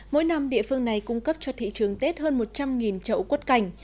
mỗi năm địa phương này cung cấp cho thị trường tết hơn một trăm linh trậu quất cảnh